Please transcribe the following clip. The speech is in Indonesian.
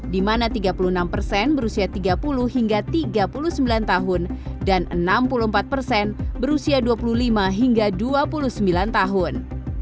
di mana tiga puluh enam persen berusia tiga puluh hingga tiga puluh sembilan tahun dan enam puluh empat persen berusia dua puluh lima hingga dua puluh sembilan tahun